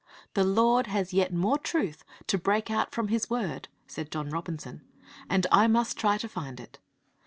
'The Lord has yet more truth to break from out His Word!' said John Robinson; and I must try to find it.